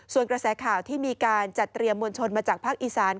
ส่วนกระแสข่าวที่มีการจัดเตรียมมวลชนมาจากภาคอีสาน